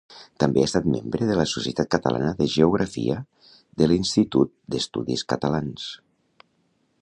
També ha estat membre de la Societat Catalana de Geografia de l'Institut d'Estudis Catalans.